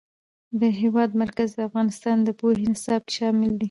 د هېواد مرکز د افغانستان د پوهنې نصاب کې شامل دي.